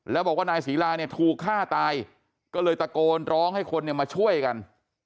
แล้วบอกว่านายศรีลาเนี่ยถูกฆ่าตายก็เลยตะโกนร้องให้คนเนี่ยมาช่วยกัน